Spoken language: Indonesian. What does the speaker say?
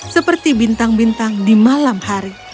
seperti bintang bintang di malam hari